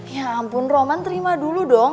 ya ampun roman terima dulu dong